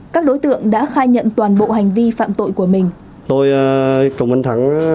các đối tượng đã khai nhận toàn bộ hành vi phạm tội của mình